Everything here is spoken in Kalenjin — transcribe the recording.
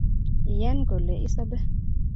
Iyan kole isobe